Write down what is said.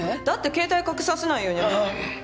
携帯かけさせないように。